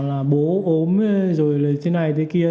là bố ốm rồi trên này tới kia